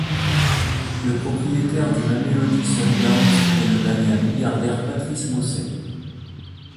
Le propriétaire du Mamelodi Sundowns est le magnat milliardaire Patrice Motsepe.